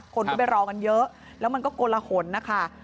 คนก็ไปรอกันเยอะแล้วมันก็กลหนนะคะ